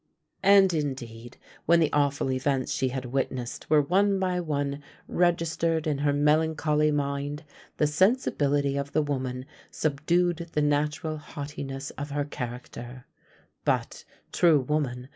And, indeed, when the awful events she had witnessed were one by one registered in her melancholy mind, the sensibility of the woman subdued the natural haughtiness of her character; but, true woman!